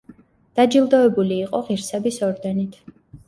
დაჯილდოებული იყო ღირსების ორდენით.